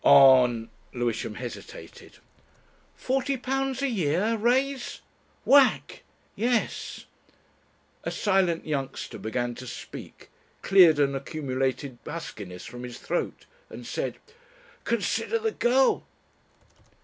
"On ?" Lewisham hesitated. "Forty pounds a year res. Whack! Yes." A silent youngster began to speak, cleared an accumulated huskiness from his throat and said, "Consider the girl."